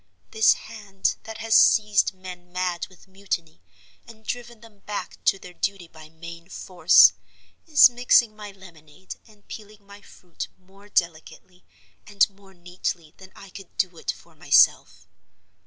This hand that has seized men mad with mutiny, and driven them back to their duty by main force, is mixing my lemonade and peeling my fruit more delicately and more neatly than I could do it for myself.